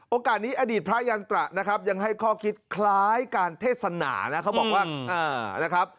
โอกาสนี้อดีตพระยันตระนะครับยังให้ข้อคิดคล้ายการเทศนานะเขาบอกว่านะครับ